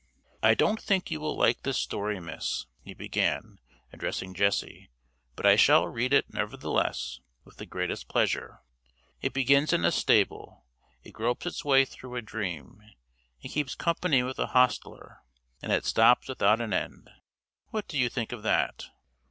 "I don't think you will like this story, miss," he began, addressing Jessie, "but I shall read it, nevertheless, with the greatest pleasure. It begins in a stable it gropes its way through a dream it keeps company with a hostler and it stops without an end. What do you think of that?"